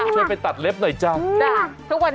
ช่วยไปตัดเล็บหน่อยจ้าวอุ๊ย